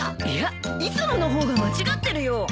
いや磯野の方が間違ってるよ。